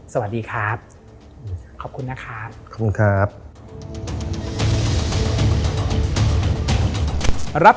สวัสดีครับ